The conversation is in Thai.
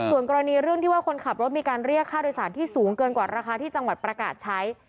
ส่วนกรณีเรื่องที่ว่าคนขับรถมีการเรียกค่าโดยสารที่สูงเกินกว่าราคาที่จังหวัดประกาศใช้